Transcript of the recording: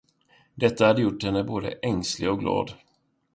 Detta hade gjort henne både ängslig och glad.